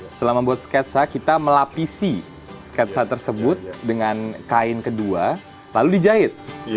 setelah membuat sketsa kita melapisi sketsa tersebut dengan kain kedua lalu dijahit